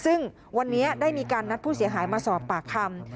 ซึ่งวันนี้ได้มีการนัดผู้เสียหายมาสอบปากคำ